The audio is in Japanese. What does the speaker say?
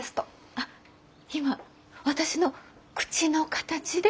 あ今私の口の形で？